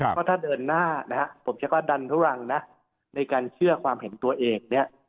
เพราะถ้าเดินหน้านะฮะผมจะว่าดันทุรังนะในการเชื่อความเห็นตัวเองเนี่ย